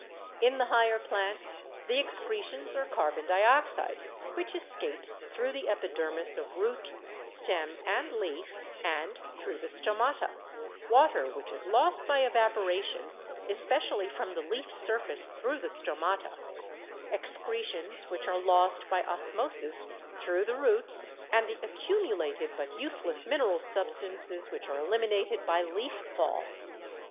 In the higher plants the excretions are carbon dioxide, which escapes through the epidermis of root, stem and leaf and through the stomata ; water which is lost by evaporation, especially from the leaf surface through the stomata; excretions which are lost by osmosis through the roots and the accumulated but use less mineral substances which are eliminated by leaf fall.